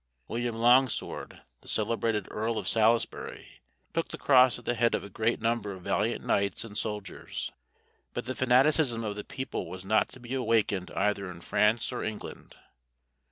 William Longsword, the celebrated Earl of Salisbury, took the cross at the head of a great number of valiant knights and soldiers. But the fanaticism of the people was not to be awakened either in France or England.